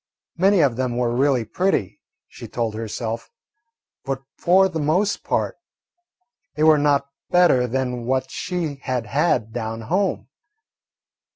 Many of them were really pretty, she told herself, but for the most part they were not better than what she had had down home.